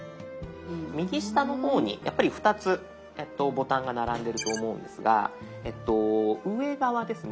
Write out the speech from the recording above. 右下の方にやっぱり２つボタンが並んでると思うんですがえっと上側ですね。